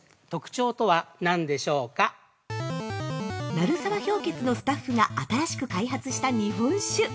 ◆鳴沢氷穴のスタッフが新しく開発した日本酒。